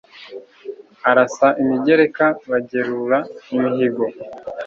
Arasa imigerekaBagerura imihigo »